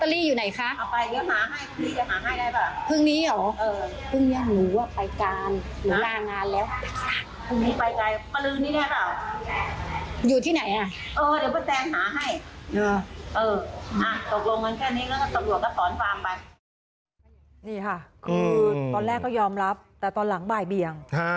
นี่ค่ะคือตอนแรกก็ยอมรับแต่ตอนหลังบ่ายเบียง